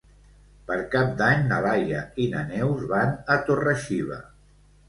Per Cap d'Any na Laia i na Neus van a Torre-xiva.